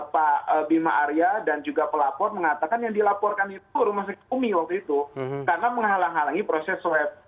pak bima arya dan juga pelapor mengatakan yang dilaporkan itu rumah sakit umi waktu itu karena menghalang halangi proses swab